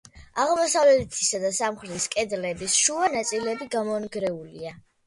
აღმოსავლეთისა და სამხრეთის კედლების შუა ნაწილები გამონგრეულია.